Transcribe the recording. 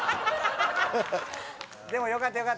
でもよかったよかった。